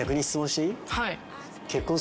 はい。